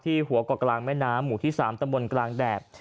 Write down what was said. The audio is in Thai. ที่หัวก่อกลางแม่น้ำหมู่ที่๓ตะมนต์กลางแดด